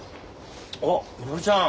あっみのりちゃん